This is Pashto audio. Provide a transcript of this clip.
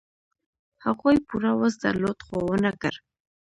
هغوی پوره وس درلود، خو و نه کړ.